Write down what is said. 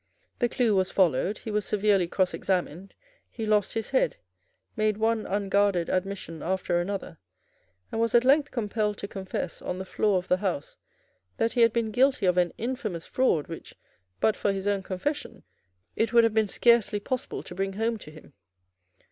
The clue was followed; he was severely cross examined; he lost his head; made one unguarded admission after another, and was at length compelled to confess, on the floor of the House, that he had been guilty of an infamous fraud, which, but for his own confession, it would have been scarcely possible to bring home to him.